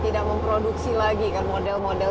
tidak memproduksi lagi kan model model